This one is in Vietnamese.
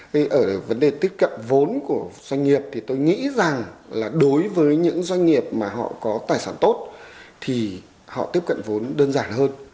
vì ở vấn đề tiếp cận vốn của doanh nghiệp thì tôi nghĩ rằng là đối với những doanh nghiệp mà họ có tài sản tốt thì họ tiếp cận vốn đơn giản hơn